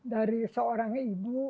dari seorang ibu